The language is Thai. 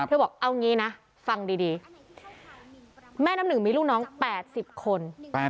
บอกเอางี้นะฟังดีแม่น้ำหนึ่งมีลูกน้อง๘๐คน